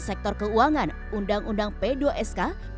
sektor keuangan undang undang p dua sk